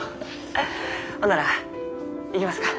ほんなら行きますか。